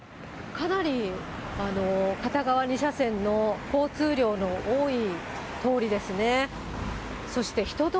かなり片側２車線の交通量の多い通りですね。